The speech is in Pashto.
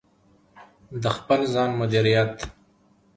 د خپل ځان مدیریت: